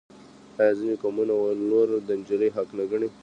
آیا ځینې قومونه ولور د نجلۍ حق نه ګڼي؟